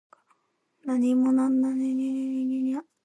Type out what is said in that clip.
何もせずに脇で眺めていること。「拱手」は手をこまぬくの意味。